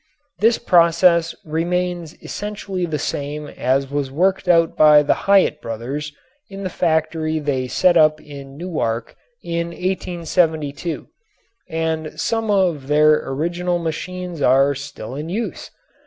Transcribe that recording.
The process remains essentially the same as was worked out by the Hyatt brothers in the factory they set up in Newark in 1872 and some of their original machines are still in use.